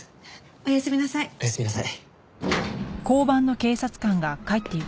おやすみなさい。